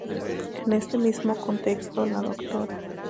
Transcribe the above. En este mismo contexto la Dra.